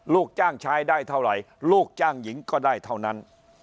ลูกจ้างชายได้เท่าไหร่ลูกจ้างหญิงก็ได้เท่านั้น